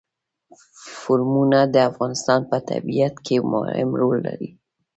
قومونه د افغانستان په طبیعت کې مهم رول لري.